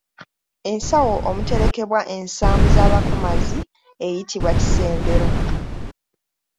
Ensawo omuterekebwa ensaamu z’abakomazi eyitibwa Kisembero.